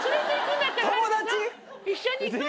一緒に行こうよ。